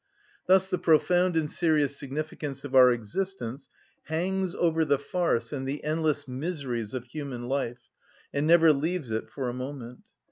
Thus the profound and serious significance of our existence hangs over the farce and the endless miseries of human life, and never leaves it for a moment.